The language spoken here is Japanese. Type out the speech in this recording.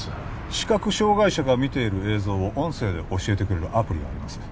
視覚障害者が見ている映像を音声で教えてくれるアプリがあります